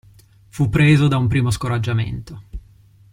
Fu preso da un primo scoraggiamento.